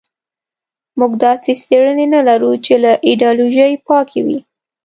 موږ داسې څېړنې نه لرو چې له ایدیالوژۍ پاکې وي.